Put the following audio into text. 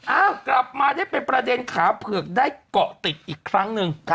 อ้าวกลับมาได้เป็นประเด็นขาเผือกได้เกาะติดอีกครั้งหนึ่ง